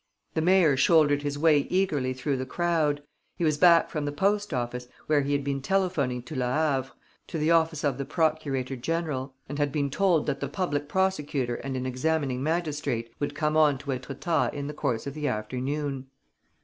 The mayor shouldered his way eagerly through the crowd. He was back from the post office, where he had been telephoning to Le Havre, to the office of the procurator general, and had been told that the public prosecutor and an examining magistrate would come on to Étretat in the course of the afternoon.